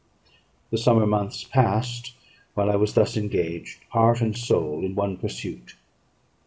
The summer months passed while I was thus engaged, heart and soul, in one pursuit.